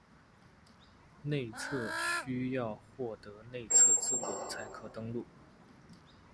内测需要获得内测资格才可以登录